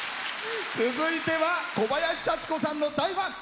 続いては小林幸子さんの大ファン。